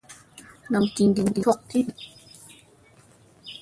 Nam gin gin doo ki tamu.